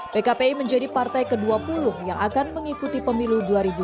pkpi menjadi partai ke dua puluh yang akan mengikuti pemilu dua ribu dua puluh